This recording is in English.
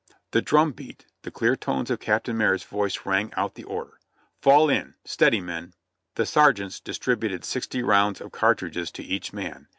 The drum beat, the clear tones of Captain Marye's voice rang out the order, "Fall in ; steady, men !" The sergeants distributed sixty rounds of cartridges to each man.